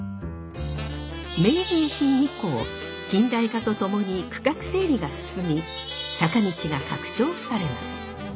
明治維新以降近代化とともに区画整理が進み坂道が拡張されます。